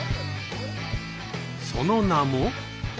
その名も。